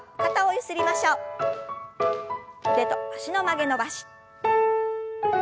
腕と脚の曲げ伸ばし。